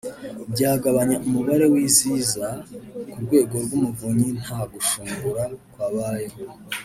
byagabanya umubare w’iziza ku rwego rw’umuvunyi nta gushungura kwabayemo